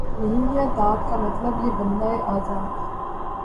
نہیں ہے داد کا طالب یہ بندۂ آزاد